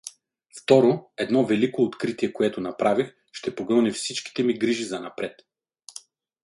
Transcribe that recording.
Второ, едно велико откритие, което направих, ще погълне всичките ми грижи занапред.